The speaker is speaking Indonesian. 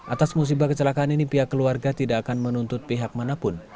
atas musibah kecelakaan ini pihak keluarga tidak akan menuntut pihak manapun